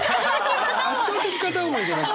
圧倒的片思いじゃなく！